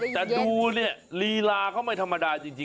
แต่ดูเนี่ยลีลาเขาไม่ธรรมดาจริง